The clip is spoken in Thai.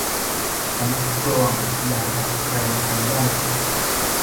ฉันกลวงอย่างกับแกรนด์แคนยอน